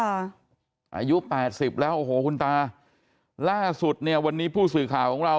อายุแปดสิบแล้วโอ้โหคุณตาล่าสุดเนี่ยวันนี้ผู้สื่อข่าวของเรา